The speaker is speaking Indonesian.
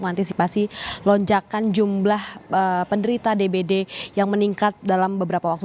mengantisipasi lonjakan jumlah penderita dbd yang meningkat dalam beberapa waktu